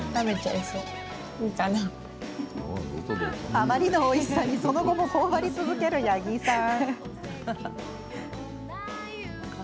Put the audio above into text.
あまりのおいしさに、その後もほおばり続ける八木さん。